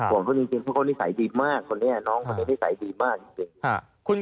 ของเขาจริงเพราะเขานิสัยดีมากคนนี้น้องคนนี้นิสัยดีมากจริง